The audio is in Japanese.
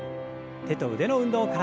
手と腕の運動から。